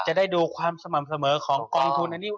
จะได้ดูความสม่ำเสมอของกองทุนอันนี้